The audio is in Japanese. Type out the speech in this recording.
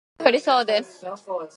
雲が厚くなって雨が降りそうです。